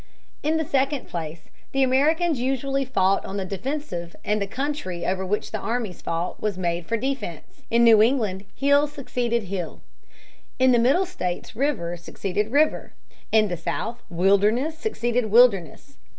In the second place, the Americans usually fought on the defensive and the country over which the armies fought was made for defense. In New England hill succeeded hill. In the Middle states river succeeded river. In the South wilderness succeeded wilderness.